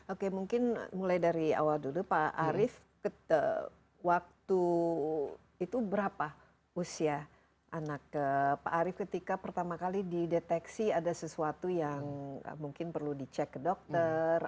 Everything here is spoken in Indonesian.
oke mungkin mulai dari awal dulu pak arief waktu itu berapa usia anak pak arief ketika pertama kali dideteksi ada sesuatu yang mungkin perlu dicek ke dokter